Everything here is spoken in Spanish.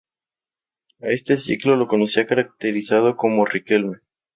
A este ciclo lo conducía caracterizado como Riquelme.